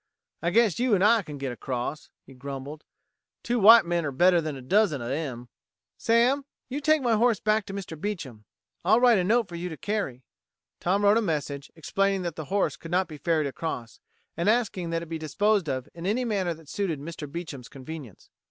"I guess you and I can get across," he grumbled. "Two white men're better 'an a dozen of 'em." "Sam, you take my horse back to Mr. Beecham. I'll write a note for you to carry." Tom wrote a message, explaining that the horse could not be ferried across, and asking that it be disposed of in any manner that suited Mr. Beecham's convenience.